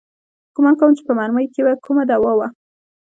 ګومان کوم چې په مرمۍ کښې به کومه دوا وه.